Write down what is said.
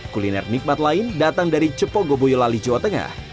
kuliner nikmat lain datang dari cepo goboyo lali jawa tengah